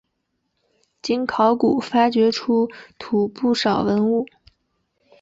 经考古发掘出土不少文物。